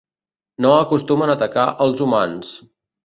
No acostumen a atacar els humans.